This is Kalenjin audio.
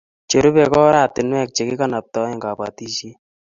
Cherubei ko oratinwek che kikanabtaei kobotisiet